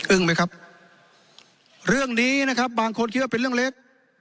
ไหมครับเรื่องนี้นะครับบางคนคิดว่าเป็นเรื่องเล็ก